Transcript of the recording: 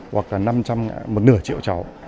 hoặc là năm trăm linh một nửa triệu cháu